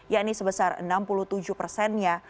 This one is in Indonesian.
yakni sebesar enam puluh tujuh persennya